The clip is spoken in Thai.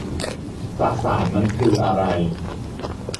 สสารมันคืออะไร